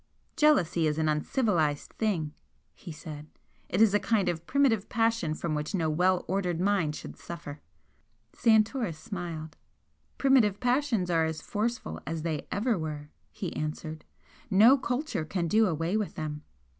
"Jealousy is an uncivilised thing," he said "It is a kind of primitive passion from which no well ordered mind should suffer." Santoris smiled. "Primitive passions are as forceful as they ever were," he answered. "No culture can do away with them.